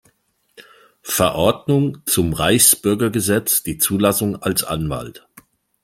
Verordnung zum Reichsbürgergesetz die Zulassung als Anwalt.